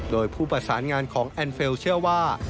โดยผู้ประสานงานของแอนดเฟลเชื่อว่า